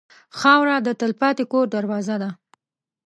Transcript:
خاوره د تلپاتې کور دروازه ده.